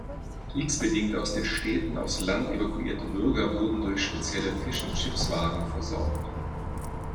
Kriegsbedingt aus den Städten aufs Land evakuierte Bürger wurden durch spezielle Fish-’n’-Chips-Wagen versorgt.